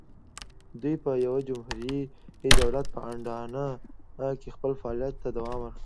دوی په یوه جمهوري دولت په اډانه کې خپل فعالیت ته دوام ورکاوه.